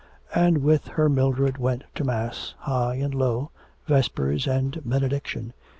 And with her Mildred went to Mass, high and low, vespers and benediction.